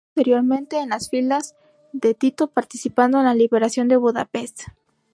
Se enroló posteriormente en las filas de Tito, participando en la liberación de Budapest.